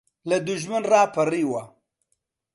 لە دوژمن ڕاپەڕیوە